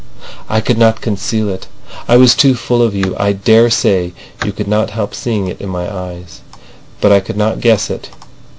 "I could not conceal it. I was too full of you. I daresay you could not help seeing it in my eyes. But I could not guess it.